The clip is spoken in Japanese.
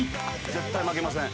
絶対負けません。